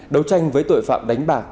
đấu tranh với tội phạm đánh bạc